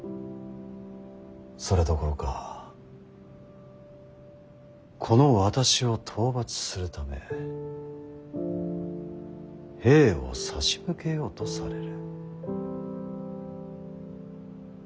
それどころかこの私を討伐するため兵を差し向けようとされる。